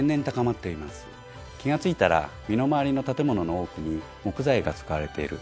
気が付いたら身の回りの建物の多くに木材が使われている。